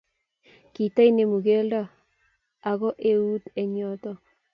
Kitainemu keldo ago eut eng yoti